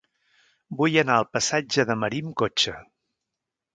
Vull anar al passatge de Marí amb cotxe.